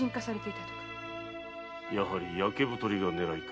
やはり焼け太りが狙いか。